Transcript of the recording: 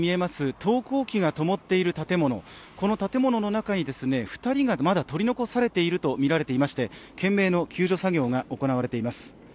投光機がともっている建物の中にまだ取り残されているとみられていまして懸命の救助作業が行われています。